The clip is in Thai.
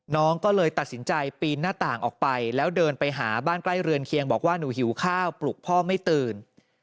น้องก็เลยตัดสินใจปีนหน้าต่างออกไปแล้วเดินไปหาบ้านใกล้เรือนเคียงบอกว่าหนูหิวข้าวปลุกพ่อไม่ตื่น